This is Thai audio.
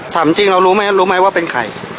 สำจริงเรารู้ไหมว่าเป็นใคร